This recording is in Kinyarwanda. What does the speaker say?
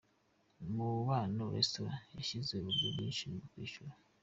Umubano restaurant yashyizeho uburyo bwinshi bwo kwishyura.